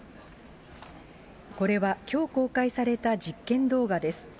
これはきょう公開された実験動画です。